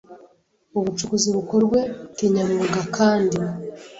ubucukuzi bukorwe kinyamwuga kandi